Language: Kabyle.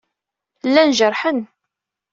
Llan jerḥen.